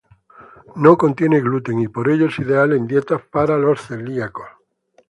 No contiene gluten y por ello es ideal en dietas para los celíacos.